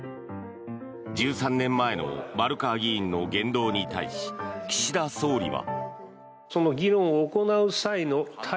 １３年前の丸川議員の言動に対し岸田総理は。